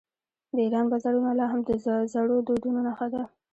د ایران بازارونه لا هم د زړو دودونو نښه ده.